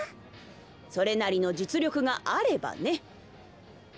それなりの実力があればね。